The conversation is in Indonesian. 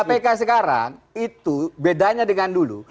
saya bilang kpk sekarang itu bedanya dengan dulu